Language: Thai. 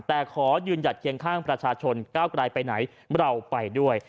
แต่ขอยืนหยัดเคียงข้างประชาชนก้าวกลายไปไหนเราไปด้วย